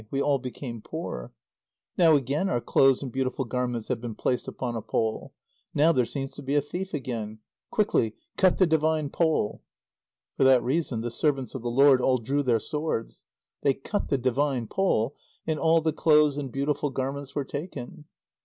We all became poor. Now again our clothes and beautiful garments have been placed upon a pole. Now there seems to be a thief again. Quickly cut the divine pole." For that reason the servants of the lord all drew their swords. They cut the divine pole, and all the clothes and beautiful garments were taken.